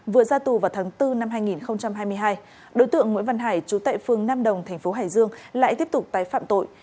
vừa ra tù vào tháng bốn năm hai nghìn hai mươi hai đối tượng nguyễn văn hải trú tại phương nam đồng thành phố hải dương lại tiếp tục tái phạm tội